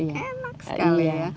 enak sekali ya